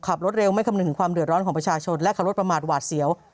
ขับรถเร็วไม่คำนึงถึงความเดือดร้อนของประชาชนและขับรถประมาทหวาดเสียว